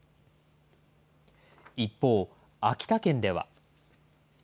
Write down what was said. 一方、秋田県では。